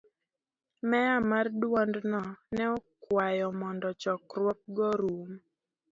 Meya mar taondno ne okwayo mondo chokruogno orum.